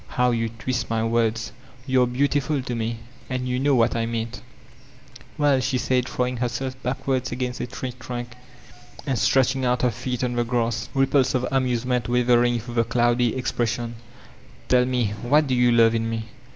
"How you twist my words. You are beauti ful to me ; and you know what I meant" "Well," she said, throwing herself backward against a tree trunk and stretching out her feet on the grass, 456 VOLTAIHINE DE ClEYRE I ripples of amusement wavering through the doady tJt* S pression, "tell me what do you love in me.'